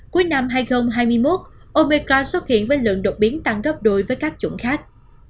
cuối năm hai nghìn hai mươi một omecra xuất hiện với lượng đột biến tăng gấp đôi với các chuẩn khác